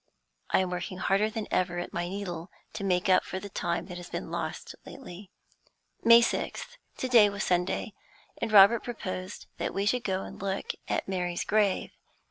I am working harder than ever at my needle, to make up for the time that has been lost lately. May 6th. To day was Sunday, and Robert proposed that we should go and look at Mary's grave.